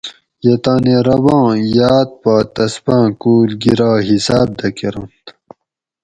یہ تانی رباں یاۤد پا تسپاۤں کُول گِرا حِساۤب دہ کرنت